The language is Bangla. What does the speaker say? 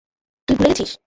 তুই ভুলে গেছিস?